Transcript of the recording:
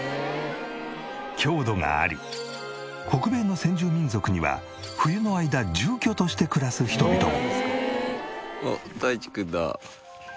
強度があり北米の先住民族には冬の間住居として暮らす人々も。